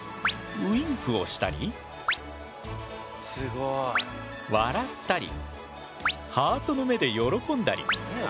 ウインクをしたり笑ったりハートの目で喜んだり。